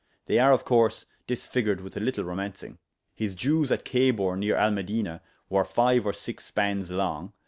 They are of course disfigured with a little romancing. His Jews at Khaybor, near Al Madinah, were five or six spans long.